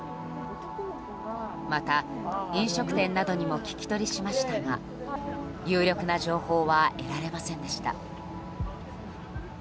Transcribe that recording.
また、飲食店などにも聞き取りしましたが有力な情報は得られませんでした。